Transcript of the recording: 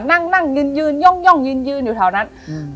นั่งนั่งยืนยืนย่องยืนยืนอยู่แถวนั้นอืม